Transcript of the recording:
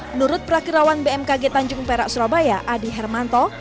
menurut perakirawan bmkg tanjung perak surabaya adi hermanto